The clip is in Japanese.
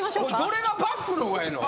どれがバックの方がええの？